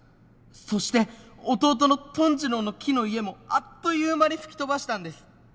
そして弟のトン二郎の木の家もあっという間に吹き飛ばしたんです。